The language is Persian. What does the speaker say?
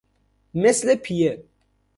مثل پیه